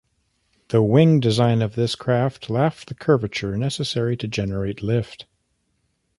The wing design of his craft lacked the curvature necessary to generate lift.